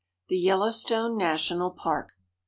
THE YELLOWSTONE NATIONAL PARK.